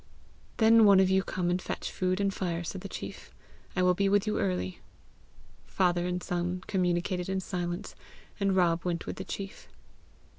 "Then one of you come and fetch food and fire," said the chief. "I will be with you early." Father and son communicated in silence, and Rob went with the chief.